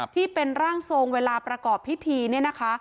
ที่เป็นร่างทรงเวลาประกอบพิธีเนี่ยนะคะ